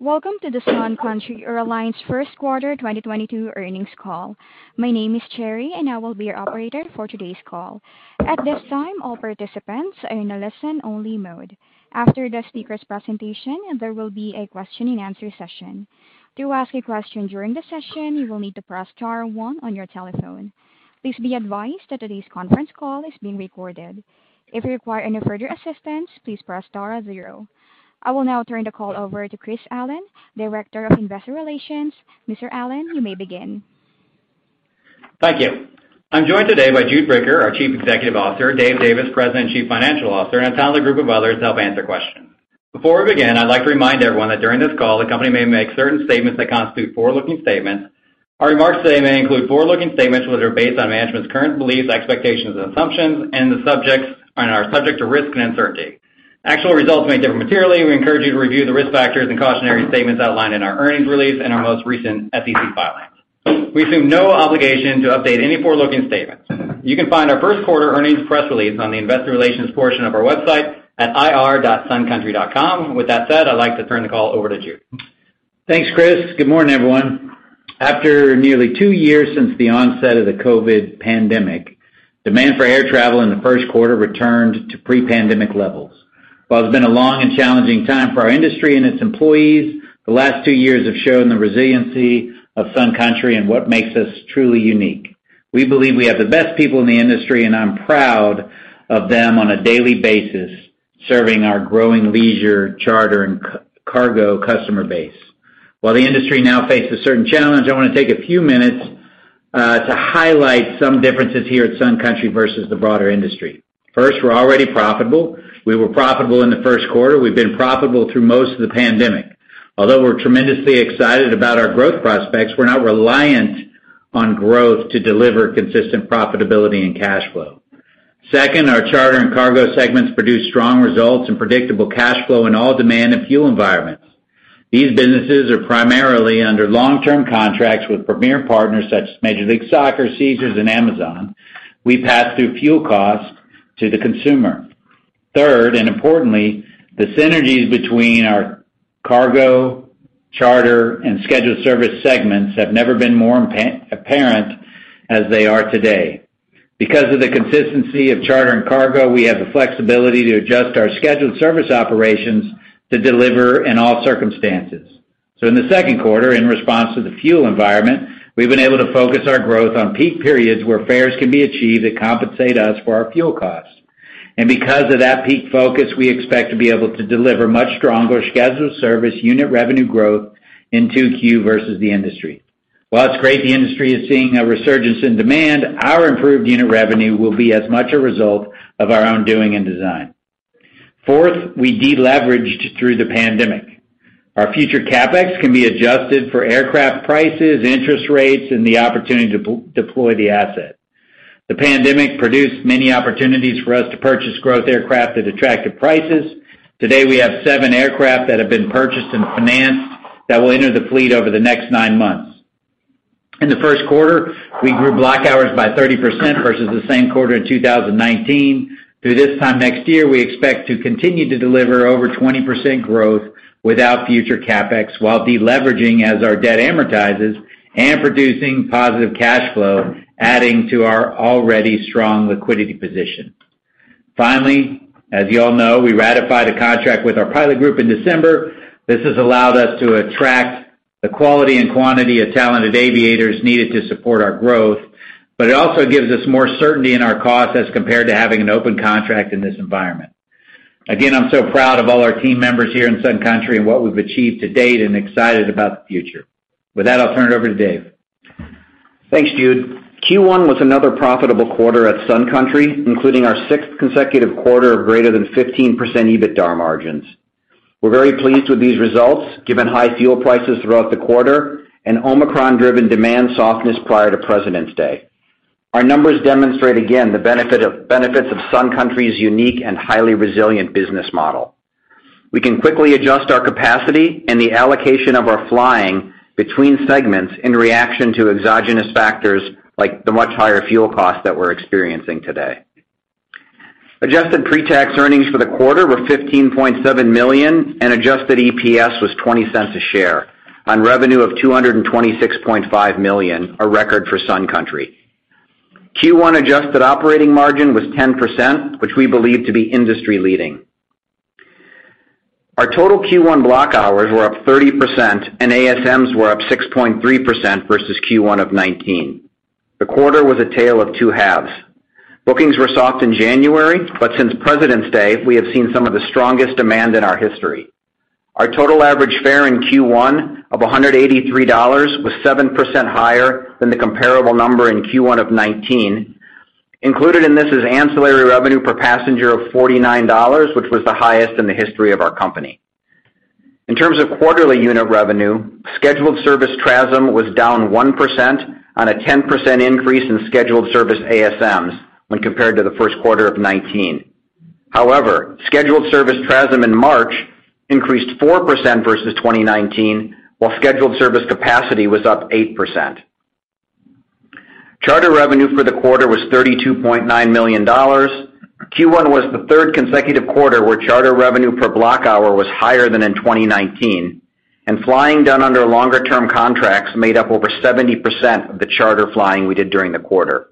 Welcome to the Sun Country Airlines first quarter 2022 earnings call. My name is Cherry, and I will be your operator for today's call. At this time, all participants are in a listen-only mode. After the speakers' presentation, there will be a question-and-answer session. To ask a question during the session, you will need to press star one on your telephone. Please be advised that today's conference call is being recorded. If you require any further assistance, please press star 0. I will now turn the call over to Chris Allen, Director of Investor Relations. Mr. Allen, you may begin. Thank you. I'm joined today by Jude Bricker, our Chief Executive Officer, Dave Davis, President and Chief Financial Officer, and a talented group of others to help answer questions. Before we begin, I'd like to remind everyone that during this call, the company may make certain statements that constitute forward-looking statements. Our remarks today may include forward-looking statements which are based on management's current beliefs, expectations, and assumptions, and these subjects are subject to risk and uncertainty. Actual results may differ materially. We encourage you to review the risk factors and cautionary statements outlined in our earnings release and our most recent SEC filings. We assume no obligation to update any forward-looking statements. You can find our first quarter earnings press release on the investor relations portion of our website at ir.suncountry.com. With that said, I'd like to turn the call over to Jude. Thanks, Chris. Good morning, everyone. After nearly two years since the onset of the COVID pandemic, demand for air travel in the first quarter returned to pre-pandemic levels. While it's been a long and challenging time for our industry and its employees, the last 2 years have shown the resiliency of Sun Country and what makes us truly unique. We believe we have the best people in the industry, and I'm proud of them on a daily basis, serving our growing leisure, charter, and cargo customer base. While the industry now faces certain challenges, I wanna take a few minutes to highlight some differences here at Sun Country versus the broader industry. First, we're already profitable. We were profitable in the first quarter. We've been profitable through most of the pandemic. Although we're tremendously excited about our growth prospects, we're not reliant on growth to deliver consistent profitability and cash flow. Second, our charter and cargo segments produce strong results and predictable cash flow in all demand and fuel environments. These businesses are primarily under long-term contracts with premier partners such as Major League Soccer, Caesars and Amazon. We pass through fuel costs to the consumer. Third, and importantly, the synergies between our cargo, charter, and scheduled service segments have never been more apparent as they are today. Because of the consistency of charter and cargo, we have the flexibility to adjust our scheduled service operations to deliver in all circumstances. In the second quarter, in response to the fuel environment, we've been able to focus our growth on peak periods where fares can be achieved that compensate us for our fuel costs. Because of that peak focus, we expect to be able to deliver much stronger scheduled service unit revenue growth in 2Q versus the industry. While it's great the industry is seeing a resurgence in demand, our improved unit revenue will be as much a result of our own doing and design. Fourth, we deleveraged through the pandemic. Our future CapEx can be adjusted for aircraft prices, interest rates, and the opportunity to redeploy the asset. The pandemic produced many opportunities for us to purchase growth aircraft at attractive prices. Today, we have 7 aircraft that have been purchased and financed that will enter the fleet over the next 9 months. In the first quarter, we grew block hours by 30% versus the same quarter in 2019. Through this time next year, we expect to continue to deliver over 20% growth without future CapEx while deleveraging as our debt amortizes and producing positive cash flow, adding to our already strong liquidity position. Finally, as you all know, we ratified a contract with our pilot group in December. This has allowed us to attract the quality and quantity of talented aviators needed to support our growth, but it also gives us more certainty in our cost as compared to having an open contract in this environment. Again, I'm so proud of all our team members here in Sun Country and what we've achieved to date and excited about the future. With that, I'll turn it over to Dave. Thanks, Jude. Q1 was another profitable quarter at Sun Country, including our sixth consecutive quarter of greater than 15% EBITDA margins. We're very pleased with these results, given high fuel prices throughout the quarter and Omicron-driven demand softness prior to Presidents Day. Our numbers demonstrate again the benefits of Sun Country's unique and highly resilient business model. We can quickly adjust our capacity and the allocation of our flying between segments in reaction to exogenous factors, like the much higher fuel costs that we're experiencing today. Adjusted pre-tax earnings for the quarter were $15.7 million, and adjusted EPS was $0.20 a share on revenue of $226.5 million, a record for Sun Country. Q1 adjusted operating margin was 10%, which we believe to be industry-leading. Our total Q1 block hours were up 30%, and ASMs were up 6.3% versus Q1 of 2019. The quarter was a tale of two halves. Bookings were soft in January, but since Presidents Day, we have seen some of the strongest demand in our history. Our total average fare in Q1 of $183 was 7% higher than the comparable number in Q1 of 2019. Included in this is ancillary revenue per passenger of $49, which was the highest in the history of our company. In terms of quarterly unit revenue, scheduled service TRASM was down 1% on a 10% increase in scheduled service ASMs when compared to the first quarter of 2019. However, scheduled service TRASM in March increased 4% versus 2019, while scheduled service capacity was up 8%. Charter revenue for the quarter was $32.9 million. Q1 was the third consecutive quarter where charter revenue per block hour was higher than in 2019, and flying done under longer-term contracts made up over 70% of the charter flying we did during the quarter.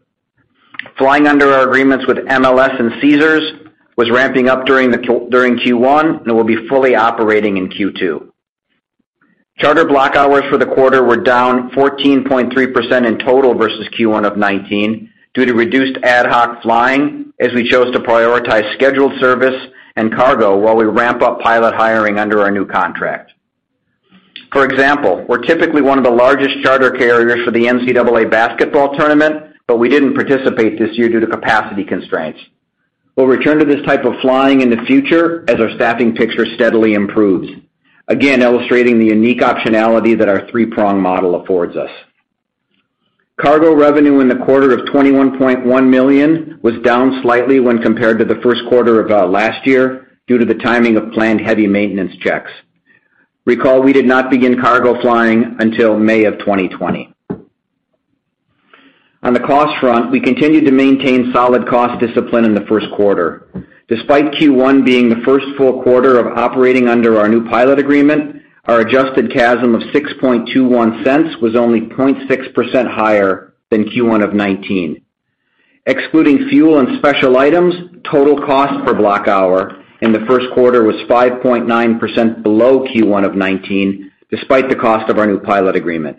Flying under our agreements with MLS and Caesars was ramping up during Q1 and will be fully operating in Q2. Charter block hours for the quarter were down 14.3% in total versus Q1 of 2019 due to reduced ad hoc flying as we chose to prioritize scheduled service and cargo while we ramp up pilot hiring under our new contract. For example, we're typically one of the largest charter carriers for the NCAA basketball tournament, but we didn't participate this year due to capacity constraints. We'll return to this type of flying in the future as our staffing picture steadily improves, again illustrating the unique optionality that our three-prong model affords us. Cargo revenue in the quarter of $21.1 million was down slightly when compared to the first quarter of last year due to the timing of planned heavy maintenance checks. Recall, we did not begin cargo flying until May of 2020. On the cost front, we continued to maintain solid cost discipline in the first quarter. Despite Q1 being the first full quarter of operating under our new pilot agreement, our adjusted CASM of 6.21 cents was only 0.6% higher than Q1 of 2019. Excluding fuel and special items, total cost per block hour in the first quarter was 5.9% below Q1 of 2019 despite the cost of our new pilot agreement.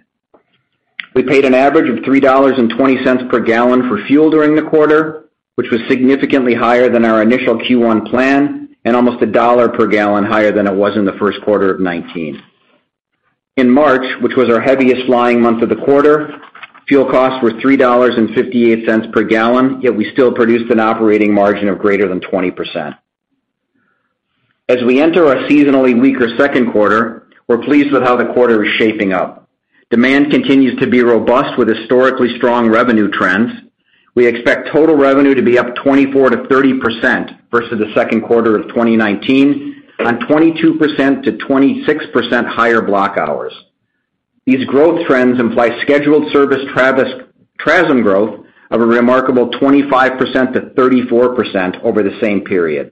We paid an average of $3.20 per gallon for fuel during the quarter, which was significantly higher than our initial Q1 plan and almost $1 per gallon higher than it was in the first quarter of 2019. In March, which was our heaviest flying month of the quarter, fuel costs were $3.58 per gallon, yet we still produced an operating margin of greater than 20%. As we enter our seasonally weaker second quarter, we're pleased with how the quarter is shaping up. Demand continues to be robust with historically strong revenue trends. We expect total revenue to be up 24% to 30% versus the second quarter of 2019 on 22% to 26% higher block hours. These growth trends imply scheduled service TRASM growth of a remarkable 25% to 34% over the same period.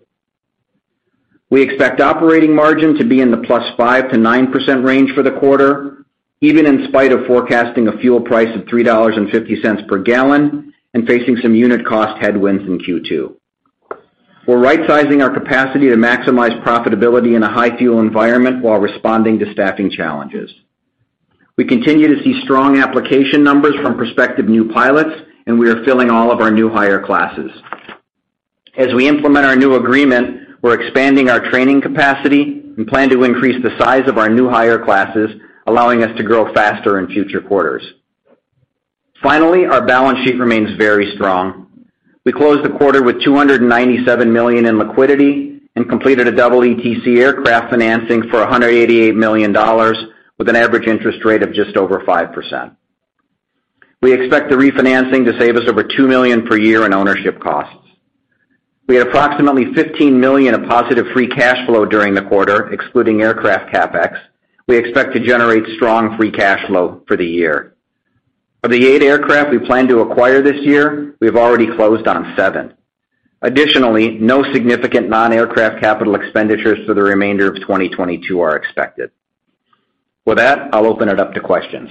We expect operating margin to be in the plus 5% to 9% range for the quarter, even in spite of forecasting a fuel price of $3.50 per gallon and facing some unit cost headwinds in Q2. We're rightsizing our capacity to maximize profitability in a high fuel environment while responding to staffing challenges. We continue to see strong application numbers from prospective new pilots, and we are filling all of our new hire classes. As we implement our new agreement, we're expanding our training capacity and plan to increase the size of our new hire classes, allowing us to grow faster in future quarters. Finally, our balance sheet remains very strong. We closed the quarter with $297 million in liquidity and completed a double ETC aircraft financing for $188 million with an average interest rate of just over 5%. We expect the refinancing to save us over $2 million per year in ownership costs. We had approximately $15 million of positive free cash flow during the quarter, excluding aircraft CapEx. We expect to generate strong free cash flow for the year. Of the 8 aircraft we plan to acquire this year, we've already closed on 7. Additionally, no significant non-aircraft capital expenditures for the remainder of 2022 are expected. With that, I'll open it up to questions.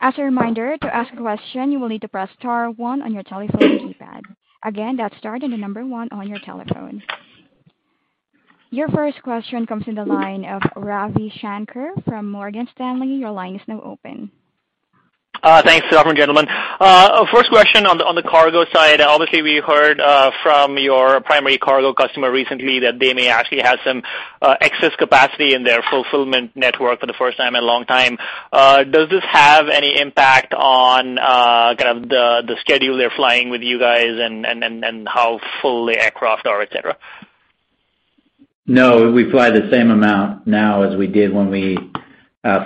As a reminder, to ask a question, you will need to press star 1 on your telephone keypad. Again, that's star then the number one on your telephone. Your first question comes from the line of Ravi Shanker from Morgan Stanley. Your line is now open. Thanks, gentlemen. First question on the cargo side. Obviously, we heard from your primary cargo customer recently that they may actually have some excess capacity in their fulfillment network for the first time in a long time. Does this have any impact on kind of the schedule they're flying with you guys and how full the aircraft are, etc? No, we fly the same amount now as we did when we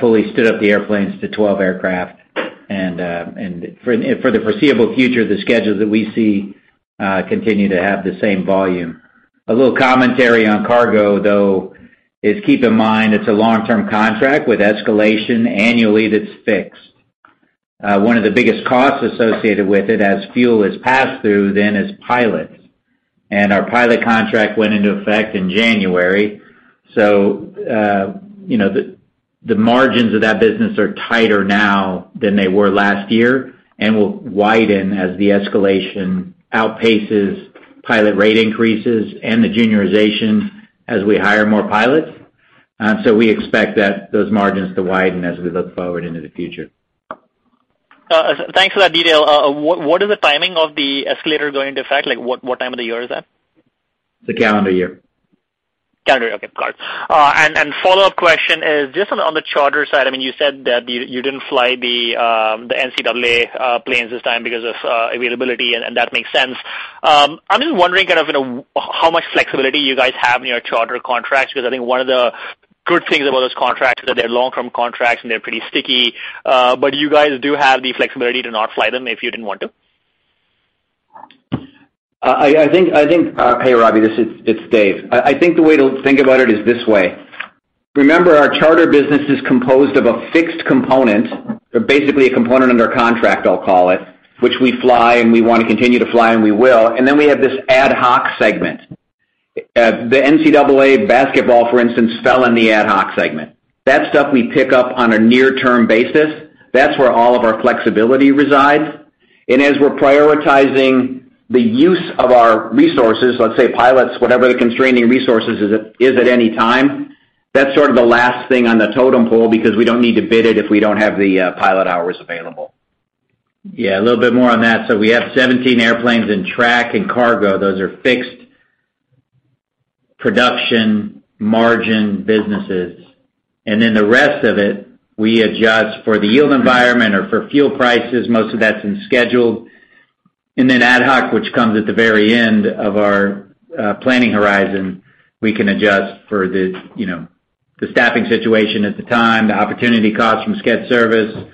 fully stood up the airplanes to 12 aircraft. For the foreseeable future, the schedules that we see continue to have the same volume. A little commentary on cargo, though, is keep in mind it's a long-term contract with escalation annually that's fixed. One of the biggest costs associated with it as fuel is passed through then is pilots. Our pilot contract went into effect in January. You know, the margins of that business are tighter now than they were last year and will widen as the escalation outpaces pilot rate increases and the juniorization as we hire more pilots. We expect those margins to widen as we look forward into the future. Thanks for that detail. What is the timing of the escalator going into effect? Like what time of the year is that? The calendar year. Calendar year. Okay. Got it. Follow-up question is just on the charter side. I mean, you said that you didn't fly the NCAA planes this time because of availability, and that makes sense. I'm just wondering kind of, you know, how much flexibility you guys have in your charter contracts, because I think one of the good things about those contracts is that they're long-term contracts, and they're pretty sticky. You guys do have the flexibility to not fly them if you didn't want to? Hey, Ravi, this is Dave. I think the way to think about it is this way. Remember our charter business is composed of a fixed component, basically a component under contract, I'll call it, which we fly, and we wanna continue to fly, and we will. Then we have this ad hoc segment. The NCAA basketball, for instance, fell in the ad hoc segment. That stuff we pick up on a near-term basis. That's where all of our flexibility resides. As we're prioritizing the use of our resources, let's say pilots, whatever the constraining resources is at any time, that's sort of the last thing on the totem pole because we don't need to bid it if we don't have the pilot hours available. A little bit more on that. We have 17 airplanes in charter and cargo. Those are fixed contribution margin businesses. Then the rest of it, we adjust for the yield environment or for fuel prices. Most of that's been scheduled. Then ad hoc, which comes at the very end of our planning horizon, we can adjust for the you know, the staffing situation at the time, the opportunity cost from scheduled service,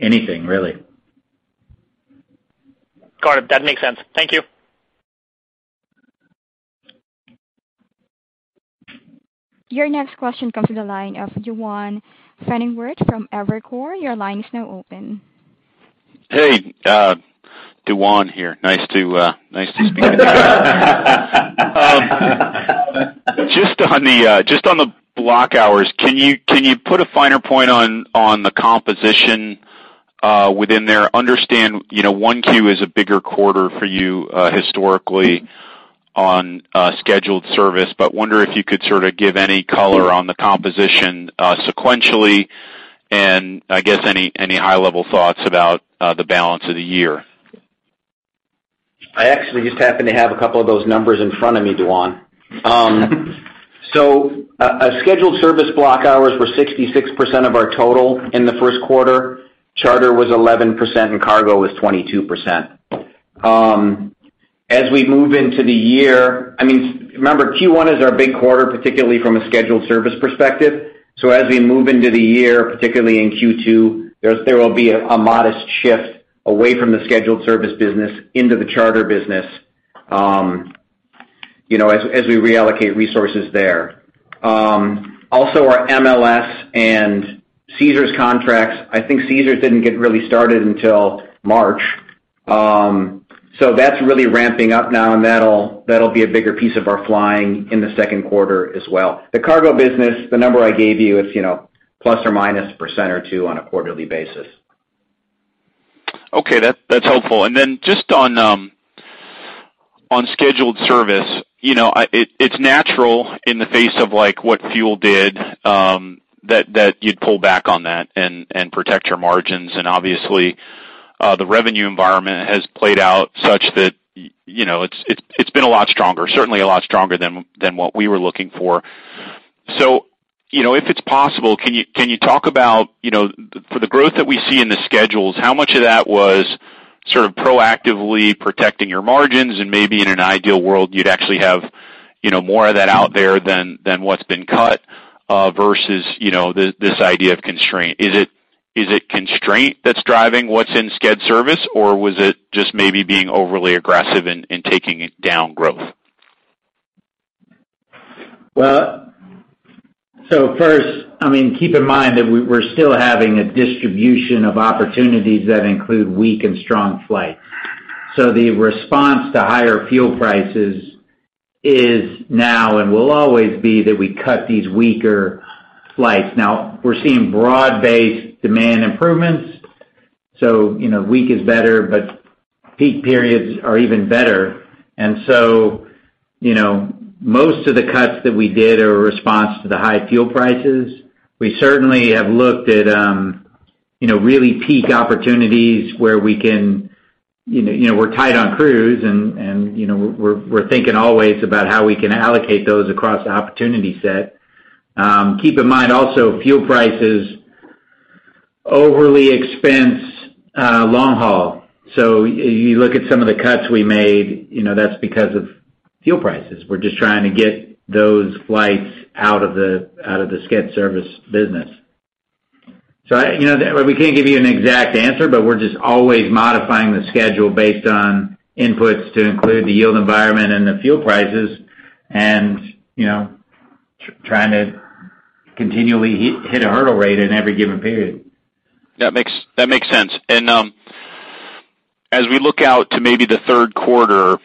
anything really. Got it. That makes sense. Thank you. Your next question comes to the line of Duane Pfennigwerth from Evercore. Your line is now open. Hey, Duane here. Nice to speak. Just on the block hours, can you put a finer point on the composition within there? Understand, you know, one Q is a bigger quarter for you historically on scheduled service, but wonder if you could sort of give any color on the composition sequentially, and I guess any high-level thoughts about the balance of the year. I actually just happen to have a couple of those numbers in front of me, Duane. Scheduled service block hours were 66% of our total in the first quarter. Charter was 11%, and cargo was 22%. As we move into the year, I mean, remember Q1 is our big quarter, particularly from a scheduled service perspective. As we move into the year, particularly in Q2, there will be a modest shift away from the scheduled service business into the charter business, you know, as we reallocate resources there. Also our MLS and Caesars contracts, I think Caesars didn't get really started until March. That's really ramping up now, and that'll be a bigger piece of our flying in the second quarter as well. The cargo business, the number I gave you is, you know, plus or minus 1% or 2% on a quarterly basis. Okay. That's helpful. Then just on scheduled service, you know, it's natural in the face of like what fuel did, that you'd pull back on that and protect your margins. Obviously, the revenue environment has played out such that, you know, it's been a lot stronger, certainly a lot stronger than what we were looking for. You know, if it's possible, can you talk about, you know, for the growth that we see in the schedules, how much of that was sort of proactively protecting your margins? Maybe in an ideal world, you'd actually have, you know, more of that out there than what's been cut, versus, you know, this idea of constraint. Is it constraint that's driving what's in sched service, or was it just maybe being overly aggressive in taking it down growth? First, I mean, keep in mind that we're still having a distribution of opportunities that include weak and strong flights. The response to higher fuel prices is now and will always be that we cut these weaker flights. Now, we're seeing broad-based demand improvements. You know, weak is better, but peak periods are even better. You know, most of the cuts that we did are a response to the high fuel prices. We certainly have looked at you know, really peak opportunities. You know, we're tight on crews, and you know, we're thinking always about how we can allocate those across the opportunity set. Keep in mind also, fuel prices overly expense long haul. You look at some of the cuts we made, you know, that's because of fuel prices. We're just trying to get those flights out of the scheduled service business. You know, we can't give you an exact answer, but we're just always modifying the schedule based on inputs to include the yield environment and the fuel prices and, you know, trying to continually hit a hurdle rate in every given period. That makes sense. As we look out to maybe the third quarter,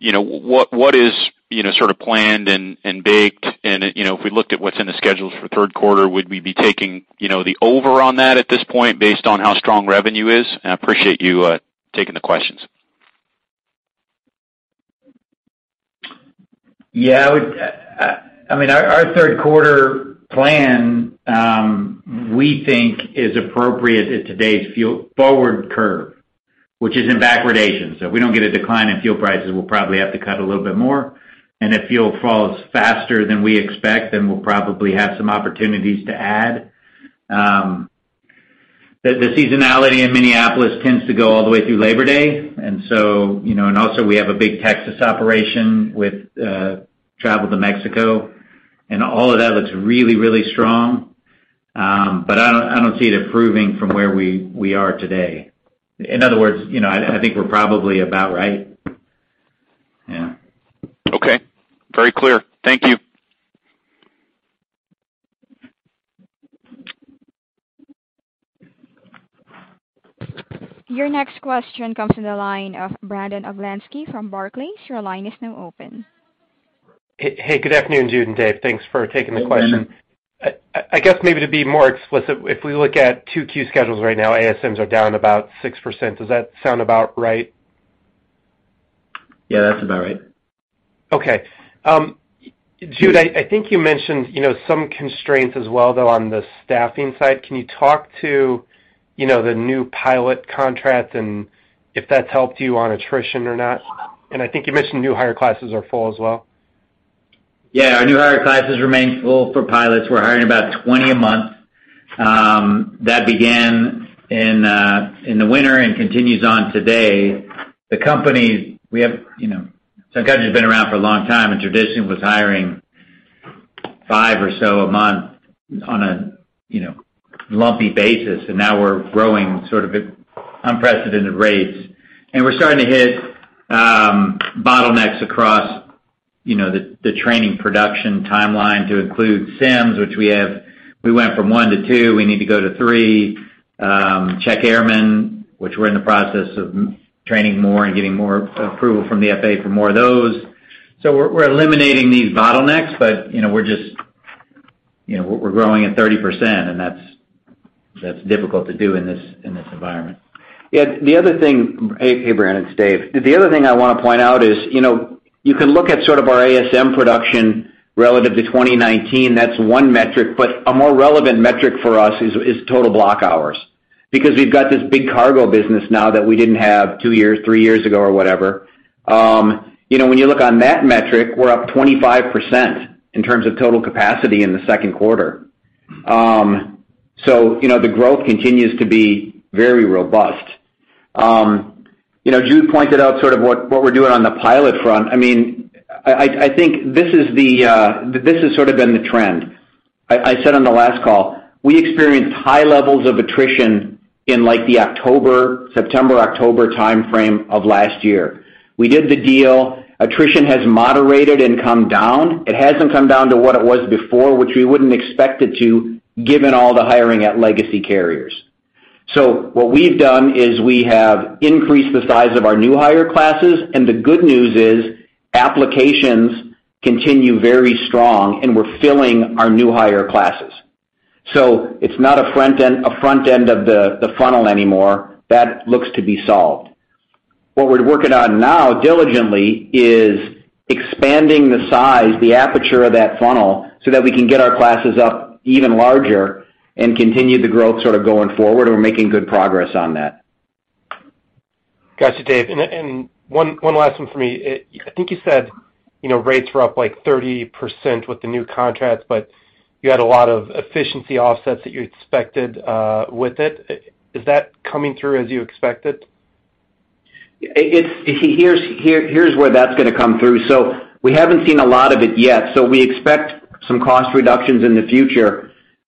you know, what is, you know, sort of planned and baked? You know, if we looked at what's in the schedules for third quarter, would we be taking, you know, the over on that at this point based on how strong revenue is? I appreciate you taking the questions. I mean, our third quarter plan we think is appropriate at today's fuel forward curve, which is in backwardation. If we don't get a decline in fuel prices, we'll probably have to cut a little bit more. If fuel falls faster than we expect, we'll probably have some opportunities to add. The seasonality in Minneapolis tends to go all the way through Labor Day. You know, and also we have a big Texas operation with travel to Mexico. All of that looks really, really strong. I don't see it improving from where we are today. In other words, you know, I think we're probably about right. Okay. Very clear. Thank you. Your next question comes from the line of Brandon Oglenski from Barclays. Your line is now open. Hey, good afternoon, Jude and Dave. Thanks for taking the question. Hey, Brandon. I guess maybe to be more explicit, if we look at 2Q schedules right now, ASMs are down about 6%. Does that sound about right? That's about right. Okay. Jude, I think you mentioned, you know, some constraints as well, though, on the staffing side. Can you talk to, you know, the new pilot contract and if that's helped you on attrition or not? I think you mentioned new hire classes are full as well. Our new hire classes remain full for pilots. We're hiring about 20 a month. That began in the winter and continues on today. The company's been around for a long time, and tradition was hiring 5 or so a month on a lumpy basis. Now we're growing sort of at unprecedented rates. We're starting to hit bottlenecks across the training production timeline to include sims, which we have. We went from one to two, we need to go to three. Check airmen, which we're in the process of training more and getting more approval from the FAA for more of those. We're eliminating these bottlenecks, but you know, we're just you know, we're growing at 30%, and that's difficult to do in this environment. The other thing. Hey, Brandon, it's Dave. The other thing I wanna point out is, you know, you can look at sort of our ASM production relative to 2019, that's one metric. A more relevant metric for us is total block hours because we've got this big cargo business now that we didn't have 2 years, 3 years ago or whatever. You know, when you look on that metric, we're up 25% in terms of total capacity in the second quarter. You know, the growth continues to be very robust. You know, Jude pointed out sort of what we're doing on the pilot front. I mean, I think this has sort of been the trend. I said on the last call, we experienced high levels of attrition in like the September-October timeframe of last year. We did the deal. Attrition has moderated and come down. It hasn't come down to what it was before, which we wouldn't expect it to, given all the hiring at legacy carriers. What we've done is we have increased the size of our new hire classes, and the good news is applications continue very strong, and we're filling our new hire classes. It's not a front end of the funnel anymore. That looks to be solved. What we're working on now diligently is expanding the size, the aperture of that funnel, so that we can get our classes up even larger and continue the growth sort of going forward, and we're making good progress on that. Got you, Dave. One last one for me. I think you said, you know, rates were up, like, 30% with the new contracts, but you had a lot of efficiency offsets that you expected with it. Is that coming through as you expected? Here's where that's gonna come through. We haven't seen a lot of it yet, so we expect some cost reductions in the future.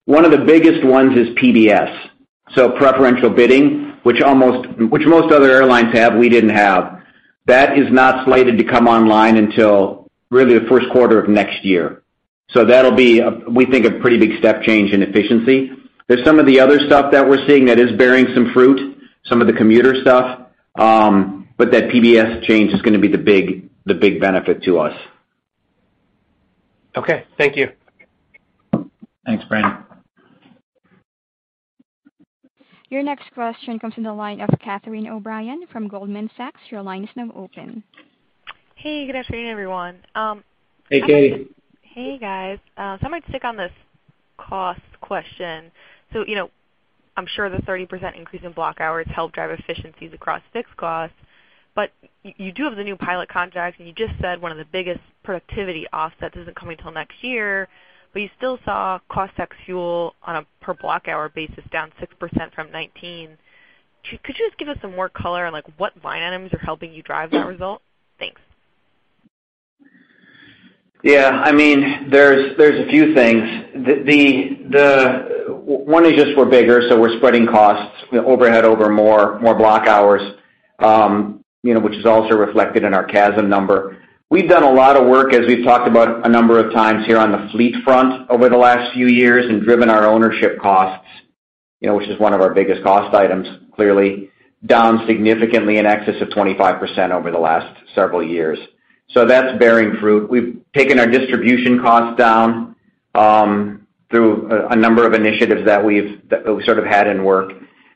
One of the biggest ones is PBS, so preferential bidding, which most other airlines have, we didn't have. That is not slated to come online until really the first quarter of next year. That'll be, we think, a pretty big step change in efficiency. There's some of the other stuff that we're seeing that is bearing some fruit, some of the commuter stuff, but that PBS change is gonna be the big benefit to us. Okay. Thank you. Thanks, Brandon. Your next question comes from the line of Catherine O'Brien from Goldman Sachs. Your line is now open. Hey, good afternoon, everyone. Hey, Cathie. Hey, guys. I might stick on this cost question. You know, I'm sure the 30% increase in block hours helped drive efficiencies across fixed costs. You do have the new pilot contract, and you just said one of the biggest productivity offsets isn't coming till next year, but you still saw cost ex fuel on a per block hour basis down 6% from 2019. Could you just give us some more color on, like, what line items are helping you drive that result? Thanks. I mean, there's a few things. One is just we're bigger, so we're spreading costs, you know, overhead over more block hours, you know, which is also reflected in our CASM number. We've done a lot of work, as we've talked about a number of times here on the fleet front over the last few years and driven our ownership costs, you know, which is one of our biggest cost items, clearly, down significantly in excess of 25% over the last several years. That's bearing fruit. We've taken our distribution costs down through a number of initiatives that we've sort of had in work.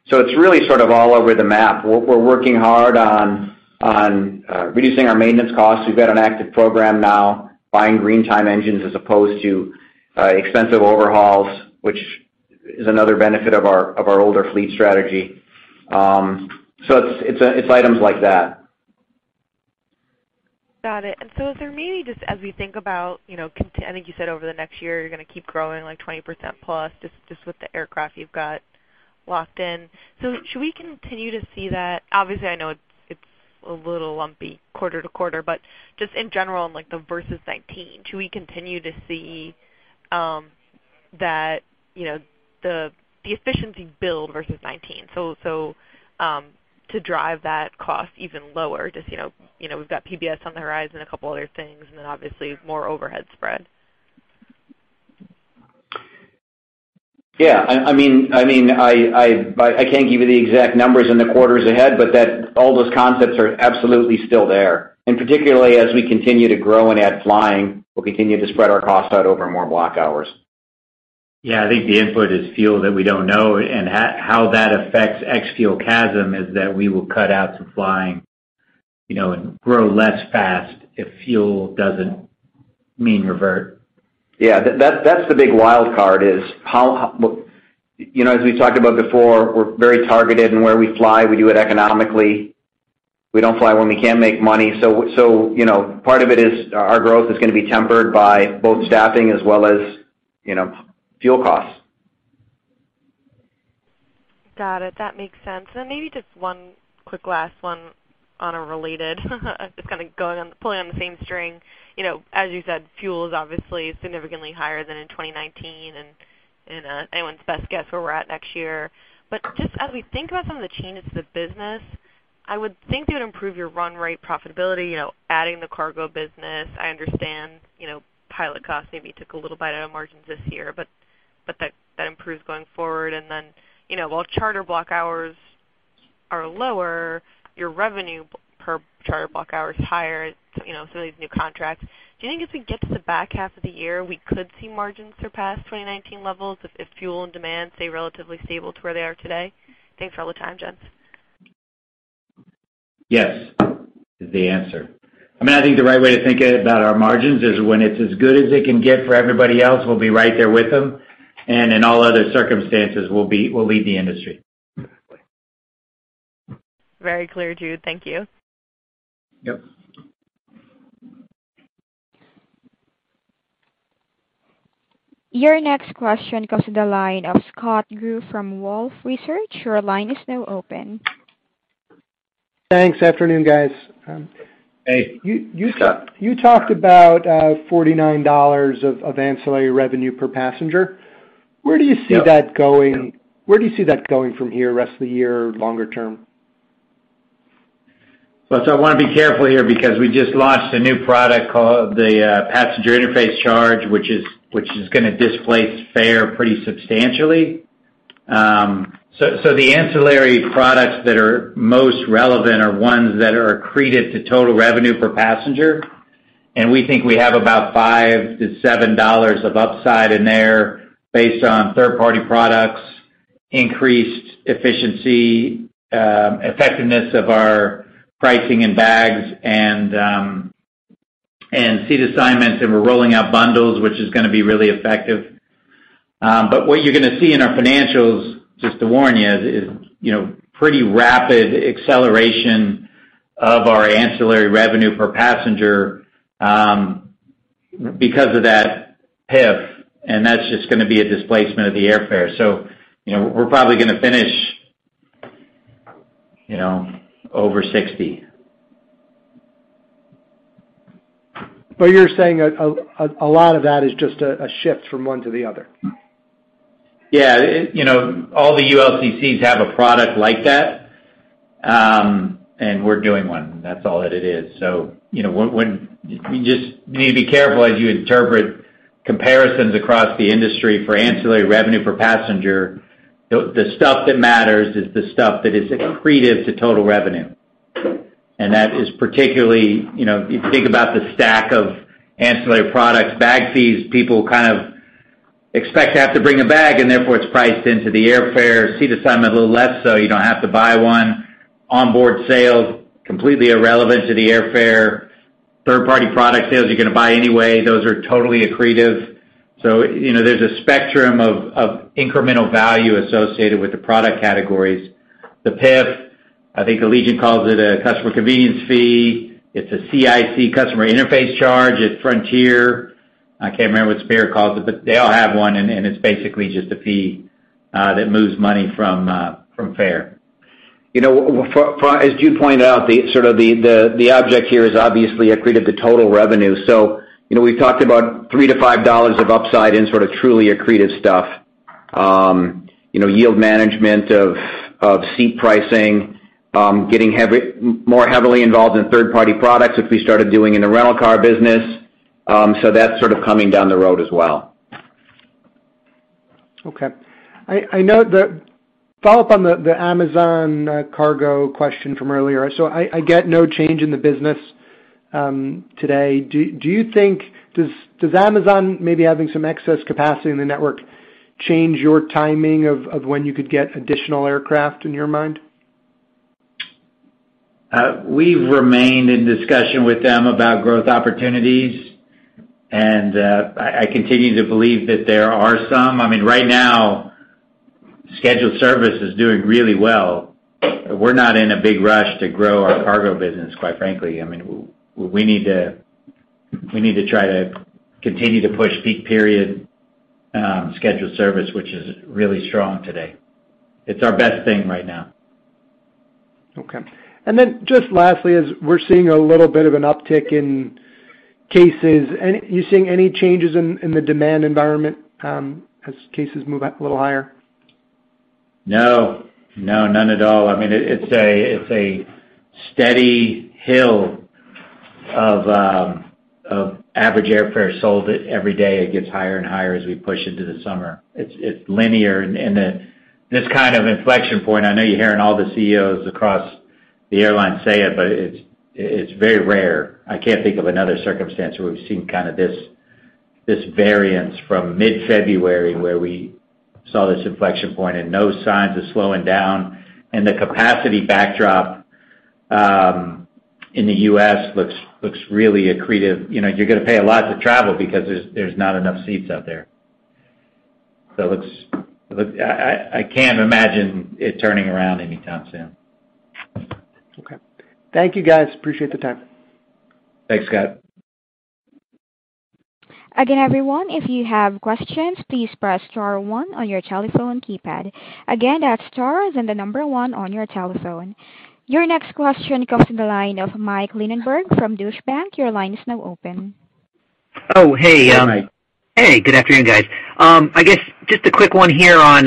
It's really sort of all over the map. We're working hard on reducing our maintenance costs. We've got an active program now, buying green-time engines as opposed to expensive overhauls, which is another benefit of our older fleet strategy. It's items like that. Got it. Is there maybe just as we think about, you know, I think you said over the next year, you're gonna keep growing, like, 20% plus just with the aircraft you've got. Locked in. Should we continue to see that? Obviously, I know it's a little lumpy quarter to quarter, but just in general, like the versus 19, should we continue to see that, you know, the efficiency build versus 19? To drive that cost even lower, just, you know, we've got PBS on the horizon, a couple other things, and then obviously more overhead spread. I mean, I can't give you the exact numbers in the quarters ahead, but all those concepts are absolutely still there. Particularly as we continue to grow and add flying, we'll continue to spread our costs out over more block hours. I think the input is fuel that we don't know and how that affects ex-fuel CASM is that we will cut out some flying, you know, and grow less fast if fuel doesn't mean revert. That's the big wild card. You know, as we've talked about before, we're very targeted in where we fly. We do it economically. We don't fly when we can't make money. You know, part of it is our growth is gonna be tempered by both staffing as well as, you know, fuel costs. Got it. That makes sense. Maybe just one quick last one on a related just kind of going on, pulling on the same string. You know, as you said, fuel is obviously significantly higher than in 2019 and anyone's best guess where we're at next year. Just as we think about some of the changes to the business, I would think they would improve your run rate profitability, you know, adding the cargo business. I understand, you know, pilot costs maybe took a little bite out of margins this year, but that improves going forward. You know, while charter block hours are lower, your revenue per charter block hour is higher, you know, some of these new contracts. Do you think as we get to the back half of the year, we could see margins surpass 2019 levels if fuel and demand stay relatively stable to where they are today? Thanks for all the time, gents. Yes, is the answer. I mean, I think the right way to think about our margins is when it's as good as it can get for everybody else, we'll be right there with them, and in all other circumstances, we'll lead the industry. Very clear, Jude. Thank you. Yep. Your next question comes to the line of Scott Group from Wolfe Research. Your line is now open. Thanks. Afternoon, guys. Scott. You talked about $49 of ancillary revenue per passenger. Where do you see that going? Where do you see that going from here, rest of the year, longer term? I wanna be careful here because we just launched a new product called the Passenger Interface Charge, which is gonna displace fare pretty substantially. The ancillary products that are most relevant are ones that are accreted to total revenue per passenger, and we think we have about $5-$7 of upside in there based on third-party products, increased efficiency, effectiveness of our pricing in bags and seat assignments, and we're rolling out bundles, which is gonna be really effective. What you're gonna see in our financials, just to warn you, is you know, pretty rapid acceleration of our ancillary revenue per passenger because of that PIC, and that's just gonna be a displacement of the airfare. You know, we're probably gonna finish you know, over $60. You're saying a lot of that is just a shift from one to the other. You know, all the ULCCs have a product like that, and we're doing one. That's all that it is. You just need to be careful as you interpret comparisons across the industry for ancillary revenue per passenger. The stuff that matters is the stuff that is accretive to total revenue, and that is particularly, you know. If you think about the stack of ancillary products, bag fees, people kind of expect to have to bring a bag, and therefore it's priced into the airfare. Seat assignment, a little less, so you don't have to buy one. Onboard sales, completely irrelevant to the airfare. Third-party product sales, you're gonna buy anyway. Those are totally accretive. You know, there's a spectrum of incremental value associated with the product categories. The PIC, I think Allegiant calls it a Carrier Usage Charge. It's a CIC, Carrier Interface Charge, at Frontier. I can't remember what Spirit calls it, but they all have one, and it's basically just a fee that moves money from fare. As Jude pointed out, the sort of objective here is obviously accretive to total revenue. You know, we've talked about $3-$5 of upside in sort of truly accretive stuff. You know, yield management of seat pricing, getting more heavily involved in third-party products which we started doing in the rental car business. That's sort of coming down the road as well. Okay. I know the follow-up on the Amazon cargo question from earlier. I get no change in the business today. Does Amazon maybe having some excess capacity in the network change your timing of when you could get additional aircraft in your mind? We've remained in discussion with them about growth opportunities, and I continue to believe that there are some. I mean, right now, scheduled service is doing really well. We're not in a big rush to grow our cargo business, quite frankly. I mean, we need to try to continue to push peak period scheduled service, which is really strong today. It's our best thing right now. Okay. Just lastly, as we're seeing a little bit of an uptick in cases, you seeing any changes in the demand environment, as cases move up a little higher? No, none at all. I mean, it's a steady hill of average airfare sold every day. It gets higher and higher as we push into the summer. It's linear. This kind of inflection point, I know you're hearing all the CEOs across the airline say it, but it's very rare. I can't think of another circumstance where we've seen kind of this variance from mid-February, where we saw this inflection point and no signs of slowing down. The capacity backdrop in the U.S. looks really accretive. You know, you're gonna pay a lot to travel because there's not enough seats out there. I can't imagine it turning around anytime soon. Okay. Thank you, guys. Appreciate the time. Thanks, Scott. Again, everyone, if you have questions, please press star one on your telephone keypad. Again, that's star then the number one on your telephone. Your next question comes from the line of Mike Linenberg from Deutsche Bank. Your line is now open. Hi, Mike. Hey, good afternoon, guys. I guess just a quick one here on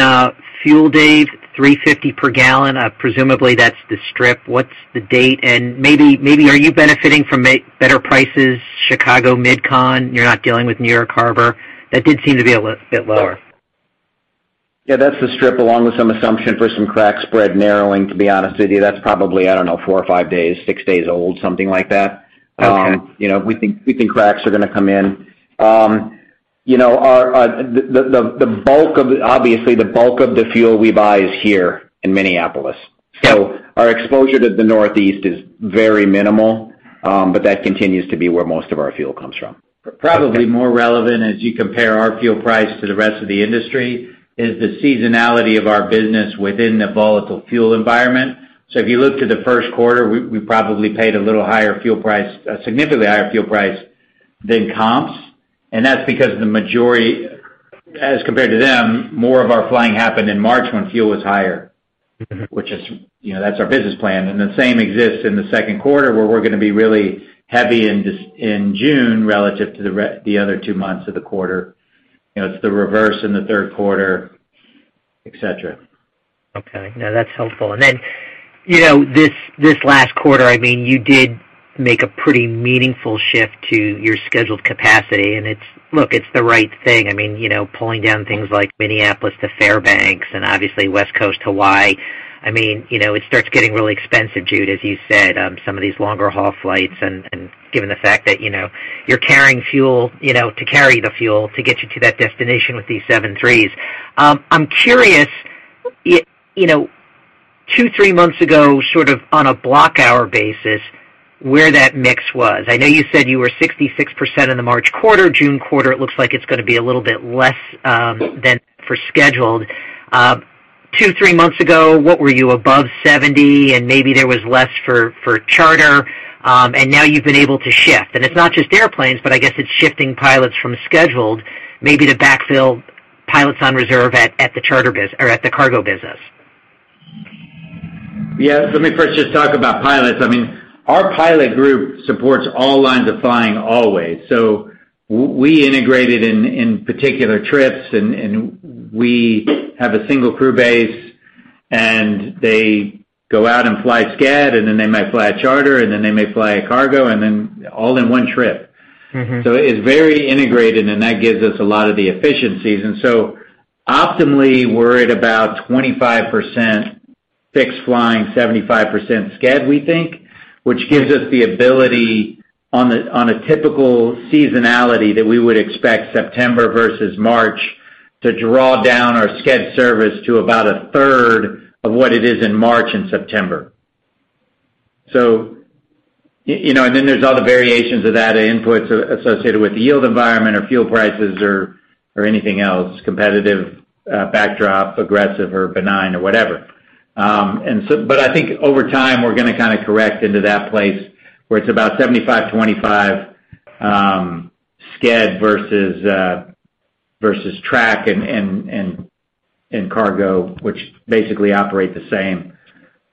fuel, Dave. $3.50 per gallon, presumably that's the strip. What's the date? Maybe are you benefiting from better prices, Chicago Mid-Con. You're not dealing with New York Harbor. That did seem to be a bit lower. That's the strip, along with some assumption for some crack spread narrowing, to be honest with you. That's probably, I don't know, 4 or 5 days, 6 days old, something like that. Okay. You know, we think cracks are gonna come in. You know, obviously the bulk of the fuel we buy is here in Minneapolis. So our exposure to the Northeast is very minimal, but that continues to be where most of our fuel comes from. Probably more relevant as you compare our fuel price to the rest of the industry is the seasonality of our business within the volatile fuel environment. So if you look to the first quarter, we probably paid a little higher fuel price, a significantly higher fuel price than comps. That's because the majority, as compared to them, more of our flying happened in March when fuel was higher. Which is, you know, that's our business plan. The same exists in the second quarter, where we're gonna be really heavy in June relative to the other 2 months of the quarter. You know, it's the reverse in the third quarter, et cetera. Okay. No, that's helpful. Then, you know, this last quarter, I mean, you did make a pretty meaningful shift to your scheduled capacity. It's. Look, it's the right thing. I mean, you know, pulling down things like Minneapolis to Fairbanks and obviously West Coast, Hawaii. I mean, you know, it starts getting really expensive, Jude, as you said, some of these longer haul flights and given the fact that, you know, you're carrying fuel, you know, to carry the fuel to get you to that destination with these seven threes. I'm curious, you know, 2, 3 months ago, sort of on a block hour basis, where that mix was. I know you said you were 66% in the March quarter. June quarter, it looks like it's gonna be a little bit less than for scheduled. 2-3 months ago, what were you above 70 and maybe there was less for charter, and now you've been able to shift. It's not just airplanes, but I guess it's shifting pilots from scheduled maybe to backfill pilots on reserve at the charter or at the cargo business. Let me first just talk about pilots. I mean, our pilot group supports all lines of flying always. We integrated in particular trips and we have a single crew base, and they go out and fly sched, and then they may fly a charter, and then they may fly a cargo, and then all in one trip. It's very integrated, and that gives us a lot of the efficiencies. Optimally, we're at about 25% fixed flying, 75% sched, we think, which gives us the ability on a typical seasonality that we would expect September versus March to draw down our sched service to about a third of what it is in March and September. You know, and then there's all the variations of that inputs associated with the yield environment or fuel prices or anything else, competitive backdrop, aggressive or benign or whatever. I think over time, we're gonna kinda correct into that place where it's about 75, 25, sched versus charter and cargo, which basically operate the same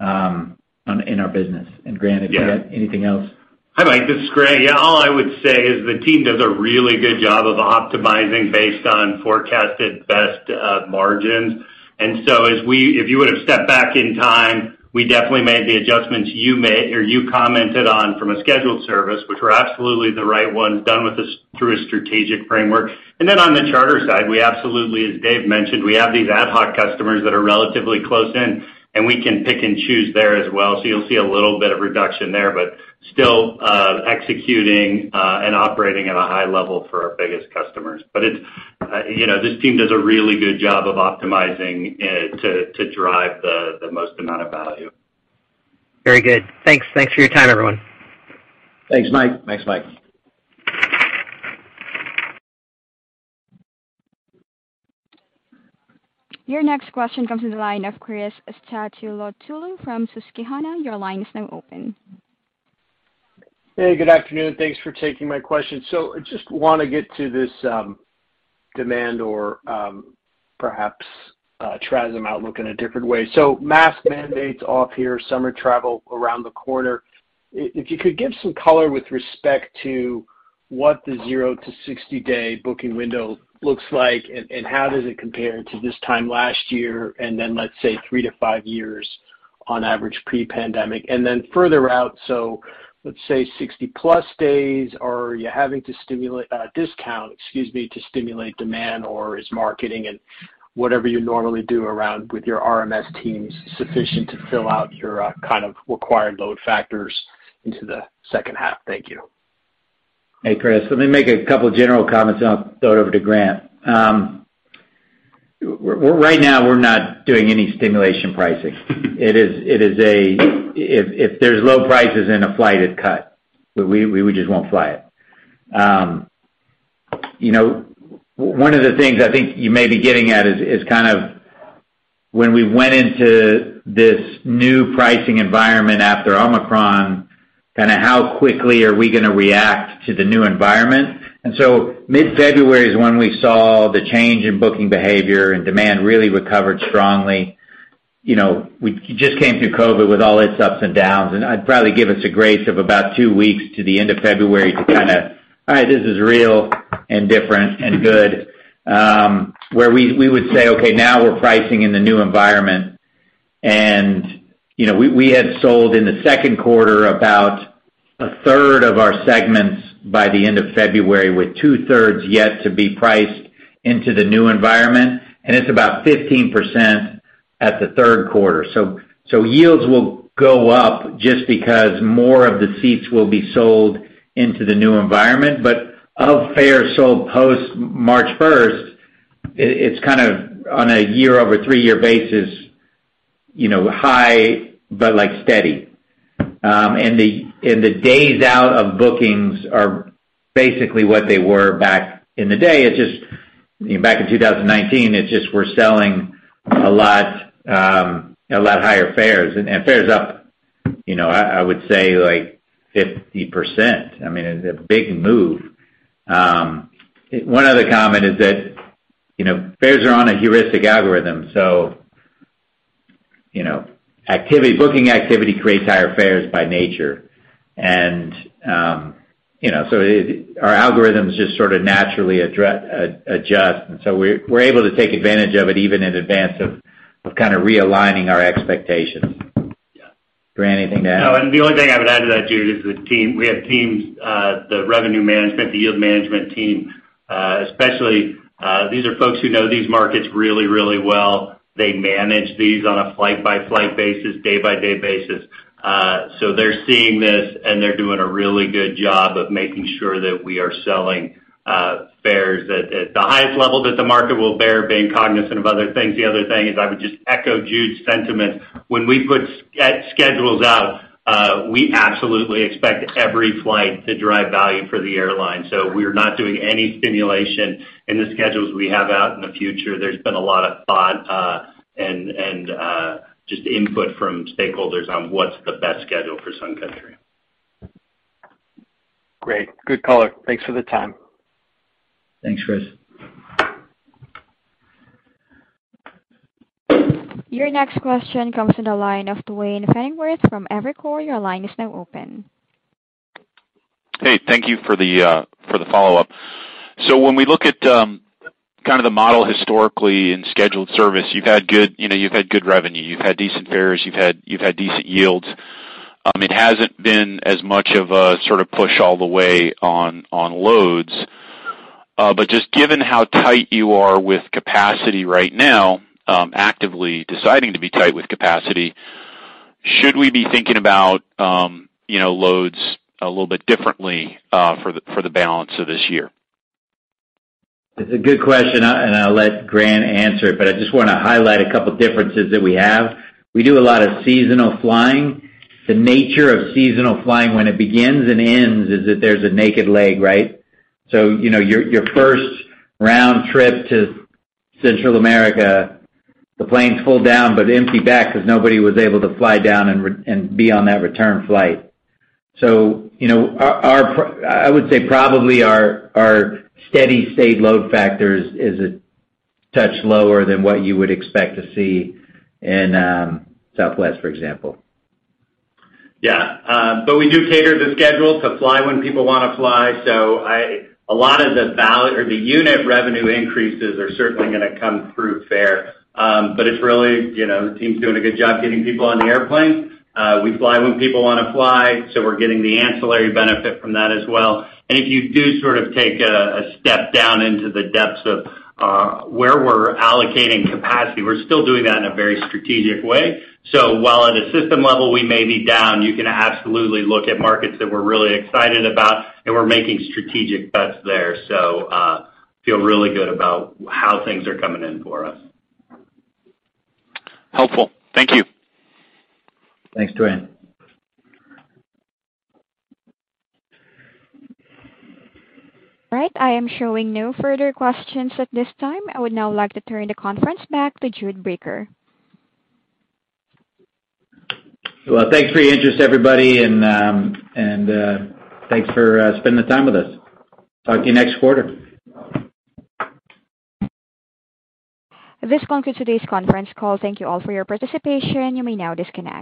in our business. Grant, if you had anything else? Hi, Mike, this is Grant. All I would say is the team does a really good job of optimizing based on forecasted best margins. If you would've stepped back in time, we definitely made the adjustments you made or you commented on from a scheduled service, which were absolutely the right ones done with this through a strategic framework. Then on the charter side, we absolutely, as Dave mentioned, we have these ad hoc customers that are relatively close in, and we can pick and choose there as well. You'll see a little bit of reduction there, but still executing and operating at a high level for our biggest customers. You know, this team does a really good job of optimizing to drive the most amount of value. Very good. Thanks. Thanks for your time, everyone. Thanks, Mike. Thanks, Mike. Your next question comes to the line of Chris Stathoulopoulos from Susquehanna. Your line is now open. Hey, good afternoon. Thanks for taking my question. I just wanna get to this, demand or, perhaps, travel outlook in a different way. Mask mandate's off here, summer travel around the corner. If you could give some color with respect to what the 0-60 day booking window looks like and how does it compare to this time last year, and then let's say 3-5 years on average pre-pandemic. Further out, let's say 60+ days. Are you having to stimulate, discount, excuse me, to stimulate demand, or is marketing and whatever you normally do around with your RMS teams sufficient to fill out your, kind of required load factors into the second half? Thank you. Hey, Chris. Let me make a couple general comments and I'll throw it over to Grant. Right now we're not doing any stimulus pricing. If there's low prices in a flight, it's cut. We just won't fly it. You know, one of the things I think you may be getting at is kind of when we went into this new pricing environment after Omicron, kind of how quickly are we gonna react to the new environment. Mid-February is when we saw the change in booking behavior and demand really recovered strongly. You know, we just came through COVID with all its ups and downs, and I'd probably give us a grace of about two weeks to the end of February to kinda, all right, this is real and different and good, where we would say, "Okay, now we're pricing in the new environment." You know, we had sold in the second quarter about a third of our segments by the end of February with two-thirds yet to be priced into the new environment, and it's about 15% at the third quarter. Yields will go up just because more of the seats will be sold into the new environment. Of fares sold post March first, it's kind of on a year-over-year basis, you know, high, but like steady. The days out of bookings are basically what they were back in the day. It's just, you know, back in 2019, it's just we're selling a lot higher fares. Fares up, you know, I would say like 50%. I mean, it's a big move. One other comment is that, you know, fares are on a heuristic algorithm, so, you know, booking activity creates higher fares by nature. You know, so our algorithms just sort of naturally adjust, and so we're able to take advantage of it even in advance of kinda realigning our expectations. Grant, anything to add? No, the only thing I would add to that, Jude, is the team. We have teams, the revenue management, the yield management team, especially, these are folks who know these markets really, really well. They manage these on a flight-by-flight basis, day-by-day basis. So they're seeing this, and they're doing a really good job of making sure that we are selling fares at the highest level that the market will bear, being cognizant of other things. The other thing is I would just echo Jude's sentiment. When we put schedules out, we absolutely expect every flight to drive value for the airline. We're not doing any stimulation in the schedules we have out in the future. There's been a lot of thought, and just input from stakeholders on what's the best schedule for Sun Country. Great. Good call. Thanks for the time. Thanks, Chris. Your next question comes to the line of Duane Pfennigwerth from Evercore. Your line is now open. Thank you for the follow-up. When we look at kinda the model historically in scheduled service, you've had good, you know, you've had good revenue. You've had decent fares. You've had decent yields. It hasn't been as much of a sort of push all the way on loads. Just given how tight you are with capacity right now, actively deciding to be tight with capacity, should we be thinking about, you know, loads a little bit differently for the balance of this year? It's a good question and I'll let Grant answer, but I just wanna highlight a couple differences that we have. We do a lot of seasonal flying. The nature of seasonal flying, when it begins and ends, is that there's a naked leg, right? So, you know, your first round trip to Central America, the plane's full down but empty back 'cause nobody was able to fly down and be on that return flight. So, you know, I would say probably our steady-state load factors is a touch lower than what you would expect to see in Southwest, for example. But we do cater the schedule to fly when people wanna fly. A lot of the value or the unit revenue increases are certainly gonna come through fare. It's really, you know, the team's doing a good job getting people on the airplane. We fly when people wanna fly, so we're getting the ancillary benefit from that as well. If you do sort of take a step down into the depths of where we're allocating capacity, we're still doing that in a very strategic way. While at a system level we may be down, you can absolutely look at markets that we're really excited about, and we're making strategic bets there. Feel really good about how things are coming in for us. Helpful. Thank you. Thanks, Duane. All right. I am showing no further questions at this time. I would now like to turn the conference back to Jude Bricker. Well, thanks for your interest, everybody, and thanks for spending the time with us. Talk to you next quarter. This concludes today's conference call. Thank you all for your participation. You may now disconnect.